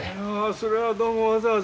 それはどうもわざわざ。